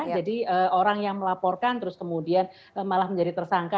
jadi orang yang melaporkan terus kemudian malah menjadi tersangka